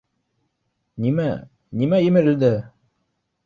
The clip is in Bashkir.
— Нимә, нимә емерелде?